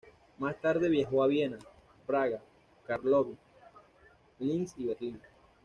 Más tarde viajó a Viena, Praga, Karlovy Vary, Linz y Berlín.